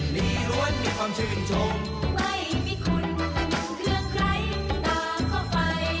สวัสดีครับ